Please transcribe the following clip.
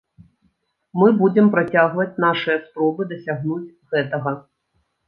Мы будзем працягваць нашыя спробы дасягнуць гэтага.